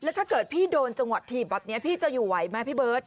ถ้าเกิดพี่โดนจังหวัดถีบแบบนี้พี่จะอยู่ไหวไหมพี่เบิร์ต